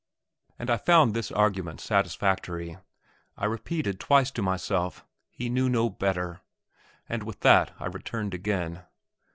And I found this argument satisfactory. I repeated twice to myself, "He knew no better"; and with that I returned again.